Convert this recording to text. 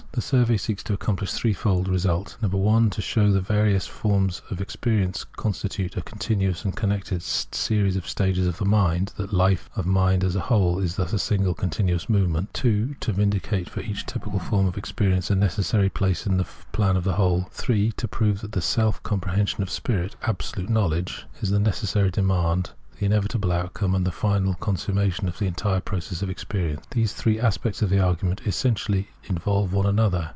The survey seeks to accom ' plish a threefold result : (1) to shew that the various ■ forms of experience constitute a continuous and con J nected series of stages of mind, that the life of mind as ■ a whole is thus a single continuous movement : (2) to ; vindicate for each typical form of experience a necessary i place in the plan of the whole : (3) to prove that : the self comprehension of Spirit, " Absolute Know led<^e," is the necessary demand, the inevitable outcome, and the final consummation of the entire process of experience. These three aspects of the argument essentially involve one another.